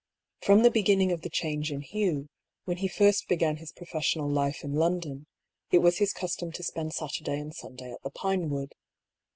From the beginning of the change in Hugh, when he first began his professional life in London, it was his custom to spend Saturday and Sunday at the Pinewood.